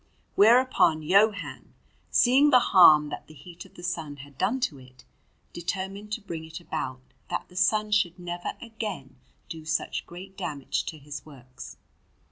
Whereupon Johann, seeing the harm that the heat of the sun had done to it, determined to bring it about that the sun should never again do such great damage to his works.